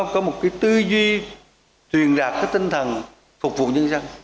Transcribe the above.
có một cái tư duy truyền đạt cái tinh thần phục vụ nhân dân